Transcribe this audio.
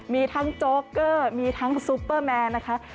มีทั้งโจ๊กเกอร์มีทั้งซุปเปอร์แมนนะคะ